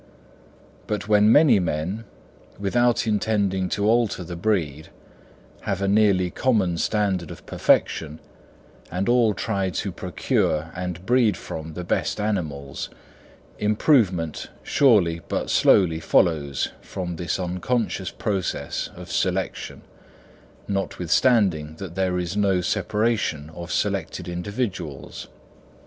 But when many men, without intending to alter the breed, have a nearly common standard of perfection, and all try to procure and breed from the best animals, improvement surely but slowly follows from this unconscious process of selection, notwithstanding that there is no separation of selected individuals.